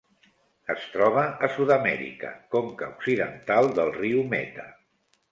Es troba a Sud-amèrica: conca occidental del riu Meta.